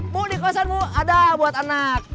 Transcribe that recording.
mug di kaosanmu ada buat anak